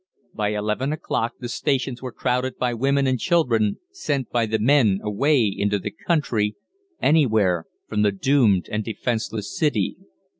By eleven o'clock the stations were crowded by women and children sent by the men away into the country anywhere from the doomed and defenceless city.